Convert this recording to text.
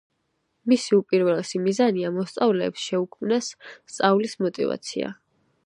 მისი უპირველესი მიზანია მოსწავლეებს შეუქმნას სწავლის მოტივაცია.